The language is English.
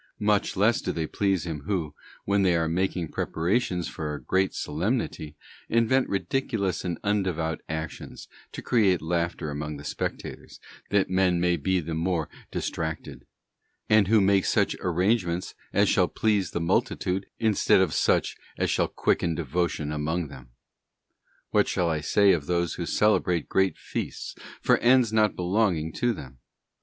Much less do they please Him who, when they are making preparations for a great solemnity, invent ridiculous and undevout actions to create laughter among the spectators, that men may be the more distracted; and who make such arrangements as shall please the multitude instead of such as shall quicken devotion among them. What shall I say of those who celebrate great feasts for ends not belonging to them?